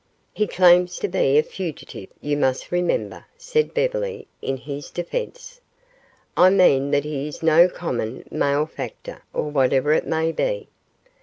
"He claims to be a fugitive, you must remember," said Beverly, in his defense. "I mean that he is no common malefactor or whatever it may be.